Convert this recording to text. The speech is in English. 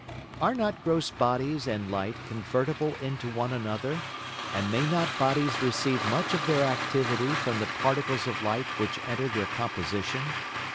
Are not gross Bodies and Light convertible into one another, and may not Bodies receive much of their Activity from the Particles of Light which enter their Composition?